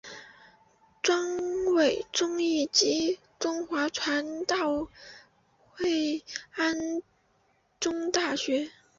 庄伟忠以及中华传道会安柱中学。